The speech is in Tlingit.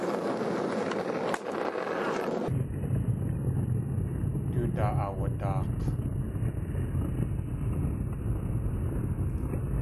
Du daa aawadaak̲.